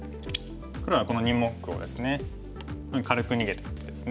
黒はこの２目をですね軽く逃げてですね。